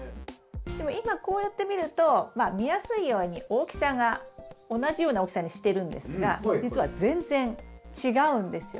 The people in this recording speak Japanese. でも今こうやって見ると見やすいように大きさが同じような大きさにしてるんですがじつは全然違うんですよ。